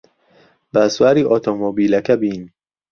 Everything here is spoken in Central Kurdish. با سواری ئۆتۆمۆبیلەکە بین.